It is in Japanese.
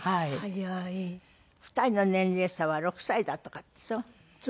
２人の年齢差は６歳だとかってそう？